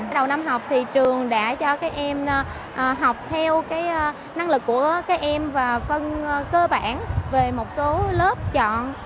đầu năm học thì trường đã cho các em học theo năng lực của các em và phân cơ bản về một số lớp chọn